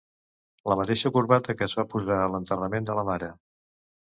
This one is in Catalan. La mateixa corbata que es va posar a l'enterrament de la mare.